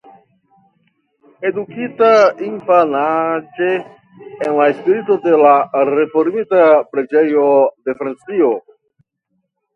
Edukita infanaĝe en la spirito de la Reformita Preĝejo de Francio.